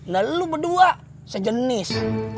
nah lu berdua sejenis